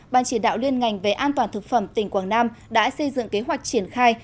ban chỉ đạo liên ngành về an toàn thực phẩm tỉnh quảng nam đã xây dựng kế hoạch triển khai